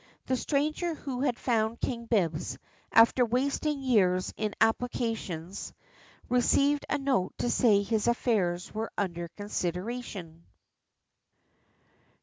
The stranger who had found King Bibbs, after wasting years in applications, received a note to say his affair was under consideration.